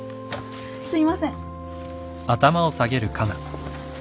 すいません。